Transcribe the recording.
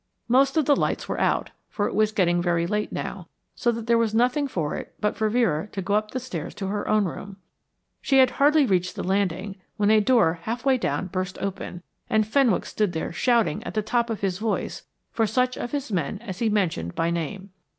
Most of the lights were out, for it was getting very late now, so that there was nothing for it but for Vera to go up the stairs to her own room. She had hardly reached the landing when a door halfway down burst open, and Fenwick stood there shouting at the top of his voice for such of his men as he mentioned by name.